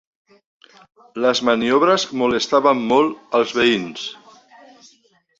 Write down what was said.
Les maniobres molestaven molt als veïns